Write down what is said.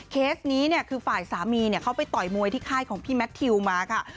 เคสนี้เนี่ยคือฝ่ายสามีเขาไปต่อยมวยที่ค่ายของพี่แมททิวมาค่ะ